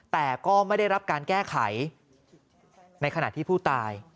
แต่ก็ไม่ได้รับการแก้ไขในขณะที่ผู้ตาย